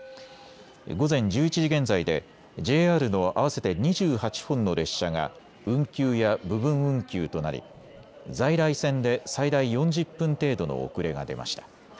午前１１時現在でＪＲの合わせて２８本の列車が運休や部分運休となり、在来線で最大４０分程度の遅れが出ました。